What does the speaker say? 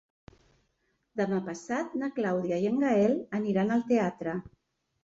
Demà passat na Clàudia i en Gaël aniran al teatre.